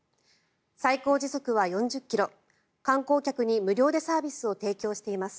最高時速は４０ｋｍ観光客に無料でサービスを提供しています。